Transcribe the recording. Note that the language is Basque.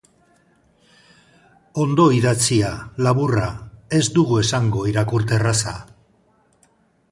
Ondo idatzia, laburra, ez dugu esango irakurterraza.